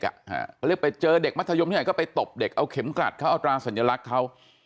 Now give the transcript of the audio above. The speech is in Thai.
เขาเรียกไปเจอเด็กมัธยมที่ไหนก็ไปตบเด็กเอาเข็มกลัดเขาเอาตราสัญลักษณ์เขา